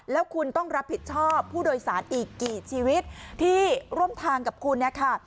แล้วคุณต้องรับผิดชอบผู้โดยสารอีกกี่ชีวิตที่ร่วมทางกับคุณนะคะ